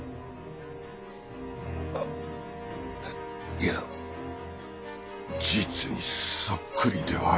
いや実にそっくりではありますが。